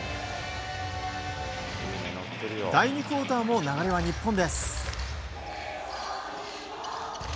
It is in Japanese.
第２クオーターも流れは日本です。